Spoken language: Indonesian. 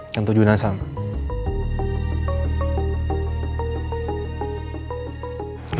kan tujuannya sama